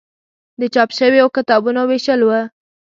د چاپ شویو کتابونو ویشل و.